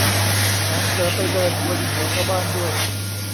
แถมเผลอไปเดินบนหัวชาวบ้านด้วย